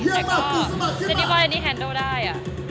แต่เจนนี่ว่าอันนี้แฮนดล์ได้